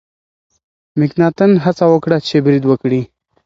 مکناتن هڅه وکړه چې برید وکړي.